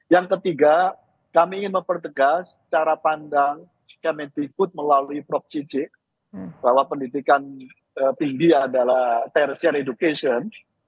yang ketiga kami ingin mempertegas cara pandang kami dikut melalui prop cicik bahwa pendidikan tinggi adalah tertial education